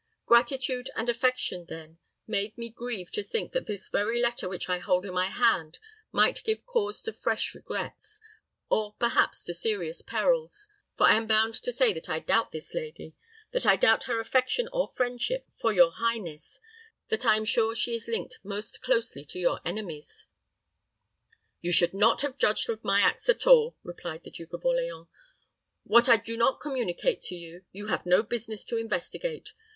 Gratitude and affection, then, made me grieve to think that this very letter which I hold in my hand might give cause to fresh regrets, or perhaps to serious perils; for I am bound to say that I doubt this lady; that I doubt her affection or friendship for your highness; that I am sure she is linked most closely to your enemies." "You should not have judged of my acts at all," replied the Duke of Orleans. "What I do not communicate to you, you have no business to investigate.